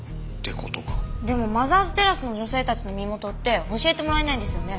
でもマザーズテラスの女性たちの身元って教えてもらえないんですよね？